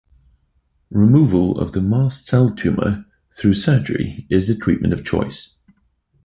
Removal of the mast cell tumor through surgery is the treatment of choice.